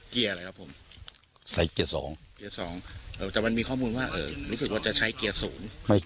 เกียร์สองแต่มันมีข้อมูลว่าเออรู้สึกว่าจะใช้เกียร์ศูนย์